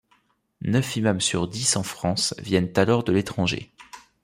Neuf imams sur dix en France viennent alors de l'étranger.